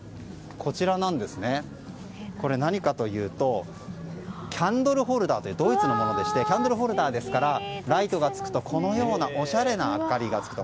何かというとキャンドルホルダーというドイツのものでしてキャンドルホルダーですからライトがつくと、このようなおしゃれな明かりがつくと。